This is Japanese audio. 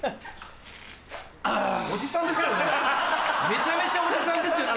めちゃめちゃおじさんですよね？